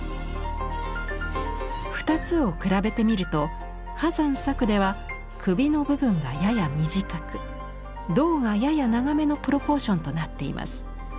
２つを比べてみると波山作では首の部分がやや短く胴がやや長めのプロポーションとなっています。